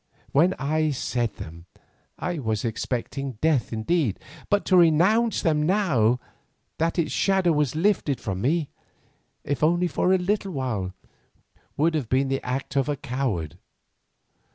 When I said them I was expecting death indeed, but to renounce them now that its shadow was lifted from me, if only for a little while, would have been the act of a coward.